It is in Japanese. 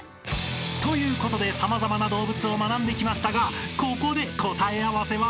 ［ということで様々な動物を学んできましたがここで］